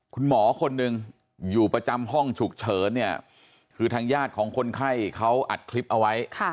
คุณหมอคนหนึ่งอยู่ประจำห้องฉุกเฉินเนี่ยคือทางญาติของคนไข้เขาอัดคลิปเอาไว้